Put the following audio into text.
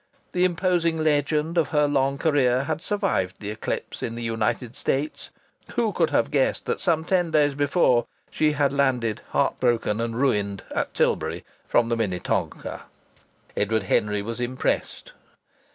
The imposing legend of her long career had survived the eclipse in the United States. Who could have guessed that some ten days before she had landed heart broken and ruined at Tilbury from the Minnetonka? Edward Henry was impressed.